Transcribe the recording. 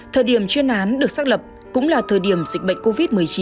thời điểm chuyên án được xác lập cũng là thời điểm dịch bệnh covid một mươi chín